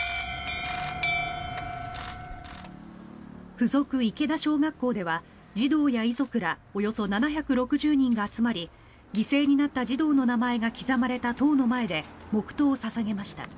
付属池田小学校では児童や遺族らおよそ７６０人が集まり犠牲になった児童の名前が刻まれた塔の前で黙祷を捧げました。